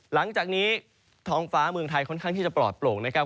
หลังจากนี้ท้องฟ้าเมืองไทยค่อนข้างที่จะปลอดโปร่งนะครับ